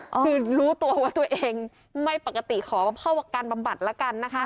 คือรู้ตัวว่าตัวเองไม่ปกติขอเข้าการบำบัดละกันนะคะ